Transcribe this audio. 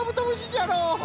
じゃろう。